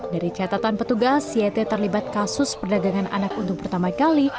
dari catatan petugas yt terlibat kasus perdagangan anak untuk pertama kali